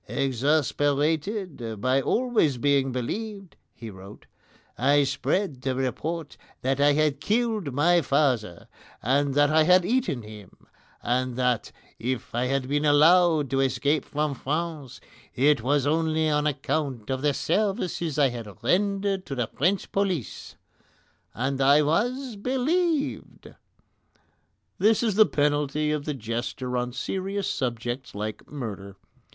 "Exasperated by always being believed," he wrote, "I spread the report that I had killed my father, and that I had eaten him, and that if I had been allowed to escape from France it was only on account of the services I had rendered to the French police, and I was BELIEVED!" That is the penalty of the jester on serious subjects like murder.